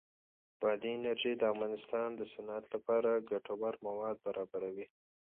بادي انرژي د افغانستان د صنعت لپاره ګټور مواد برابروي.